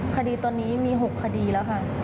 คดีตอนนี้มี๖คดีแล้วค่ะ